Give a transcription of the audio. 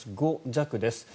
５弱です。